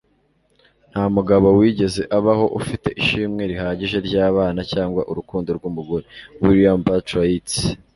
nta mugabo wigeze abaho ufite ishimwe rihagije ry'abana cyangwa urukundo rw'umugore. - william butler yeats